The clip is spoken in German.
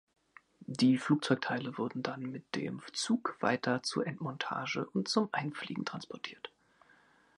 Die Flugzeugteile wurden dann mit dem Zug weiter zur Endmontage und zum Einfliegen transportiert.